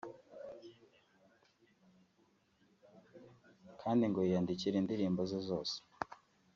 kandi ngo yiyandikira indirimbo ze zose